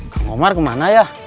kang komar kemana ya